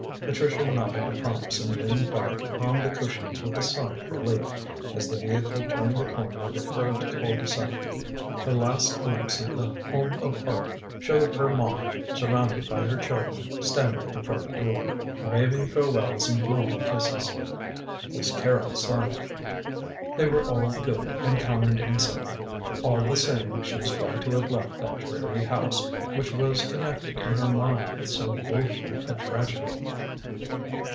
Patricia nodded a promise and leaned back on the cushions with a sigh of relief, as the vehicle turned the corner of the curved cul de sac. Her last glimpse of The Home of Art showed her Ma surrounded by her children standing at the front door, waving farewells and blowing kisses. Miss Carrol sighed. They were all good and kind and simple. All the same, she was glad to have left that dreary house, which was connected in her mind with so woeful a tragedy.